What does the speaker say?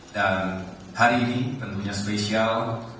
dan hari ini tentunya spesial